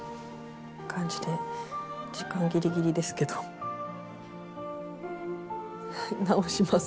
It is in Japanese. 時間ギリギリですけど直します。